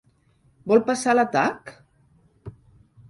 Vol passar a l'atac?